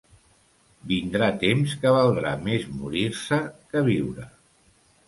Vindrà temps que valdrà més morir-se que viure.